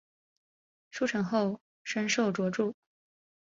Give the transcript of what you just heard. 书成后升授着作。